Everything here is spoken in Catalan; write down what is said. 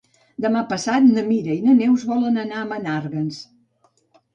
Demà passat na Mira i na Neus volen anar a Menàrguens.